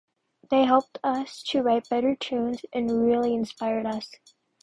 They helped us to write better tunes and really inspired us.